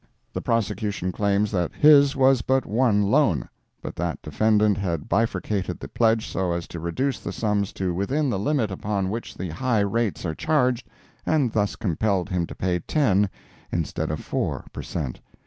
The prosecution claims that his was but one loan, but that defendant had bifurcated the pledge so as to reduce the sums to within the limit upon which the high rates are charged, and thus compelled him to pay ten, instead of four per cent.